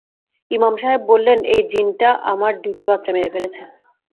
ইমাম সাহেব বললেন, এই জিনটা আমার দুইটা বাচ্চা মেরে ফেলেছে।